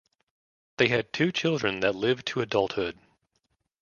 They had two children that lived to adulthood.